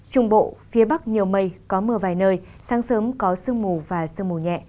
trung bộ phía bắc nhiều mây có mưa vài nơi sáng sớm có sương mù và sương mù nhẹ